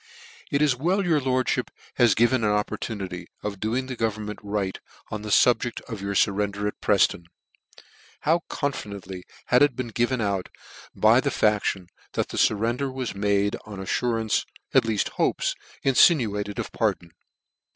Cf It is well your lordfhip has given an oppor tunity of doing the government right, on the fub ject of your furrender at Prefton, ff How confidently had it been given out by the faction, that the furrender was made on alTur ances, aUeaft hopes, infinuated of pardon.